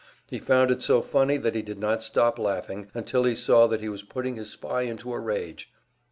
He found it so funny that he did not stop laughing until he saw that he was putting his spy into a rage.